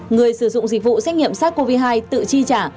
người sử dụng dịch vụ trách nhiệm sars cov hai tự chi trả